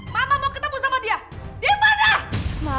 mama mau ketemu sama dia di mana